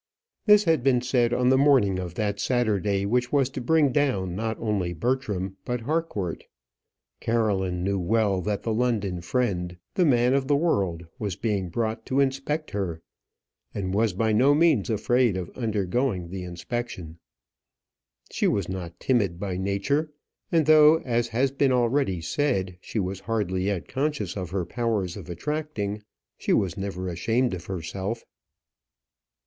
This had been said on the morning of that Saturday which was to bring down not only Bertram, but Harcourt. Caroline knew well that the London friend, the man of the world, was being brought to inspect her, and was by no means afraid of undergoing the inspection. She was not timid by nature; and though, as has been already said, she was hardly yet conscious of her powers of attracting, she was never ashamed of herself.